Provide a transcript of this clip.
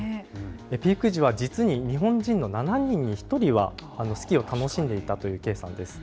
ピーク時は実に日本人の７人に１人は、スキーを楽しんでいたという計算です。